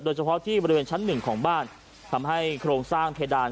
โดยเฉพาะที่บริเวณชั้นหนึ่งของบ้านทำให้โครงสร้างเพดาน